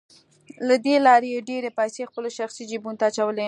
له دې لارې یې ډېرې پیسې خپلو شخصي جیبونو ته اچولې